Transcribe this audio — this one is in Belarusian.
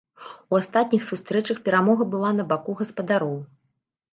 У астатніх сустрэчах перамога была на баку гаспадароў.